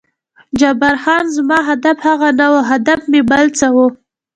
جبار خان: زما هدف هغه نه و، هدف مې بل څه و.